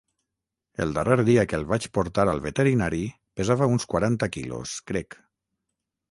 El darrer dia que el vaig portar al veterinari pesava uns quaranta quilos, crec.